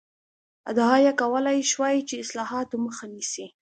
ادعا یې کولای شوای چې اصلاحاتو مخه نیسي.